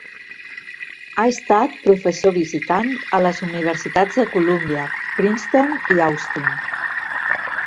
Ha estat professor visitant a les universitats de Colúmbia, Princeton i Austin.